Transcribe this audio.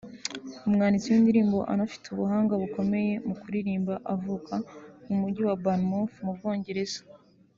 umwanditsi w’indirimbo unafite ubuhanga bukomeye mu kuririmba avuka mu Mujyi wa Bournemouth mu Bwongereza